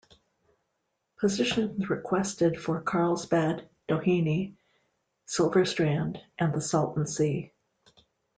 Positions requested for Carlsbad, Doheny, Silver Strand and the Salton Sea.